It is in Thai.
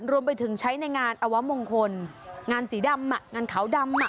รวมไปถึงใช้ในงานอวมงคลงานสีดำอ่ะงานขาวดำอ่ะ